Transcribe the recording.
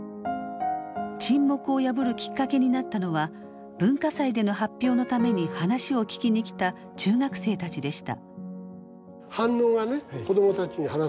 沈黙を破るきっかけになったのは文化祭での発表のために話を聞きに来た中学生たちでした。